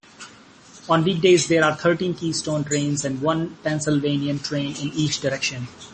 On weekdays there are thirteen Keystone trains and one "Pennsylvanian" train in each direction.